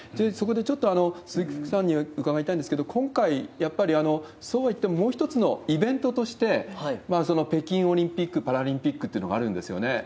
そこでちょっと鈴木福さんに伺いたいんですけれども、今回、やっぱりそうはいってももう一つのイベントとして、北京オリンピック・パラリンピックっていうのがあるんですよね。